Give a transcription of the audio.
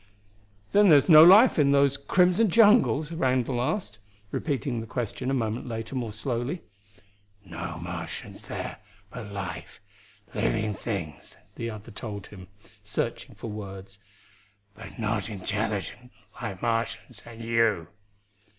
"Then there's no life in those crimson jungles?" Randall asked, repeating the question a moment later more slowly. "No Martians there, but life living things," the other told him, searching for words. "But not intelligent, like Martians and you."